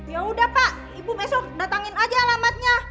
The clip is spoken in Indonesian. yaudah pak ibu besok datangin aja alamatnya